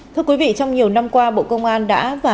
thưa quý vị trong nhiều năm qua bộ công an đã và